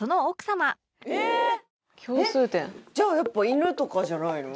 じゃあやっぱ犬とかじゃないの？